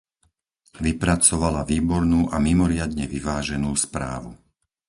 Vypracovala výbornú a mimoriadne vyváženú správu.